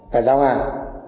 và giao hàng